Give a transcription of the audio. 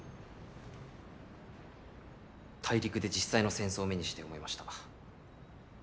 大陸で実際の戦争を目にして思いました。